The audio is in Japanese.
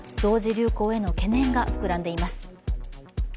流行への懸念が膨らんでいます。